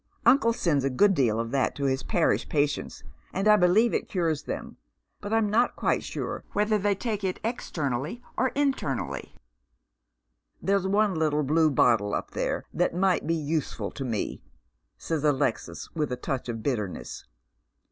Uncle sends a good deal of that to his parish patients, and I believe it cures them, but I'm not quite sm'e whether they take it ex ternally or internally." " There's one little blue bottle up there that might be useful to me," Bays Alexis, with a touch of bitterness.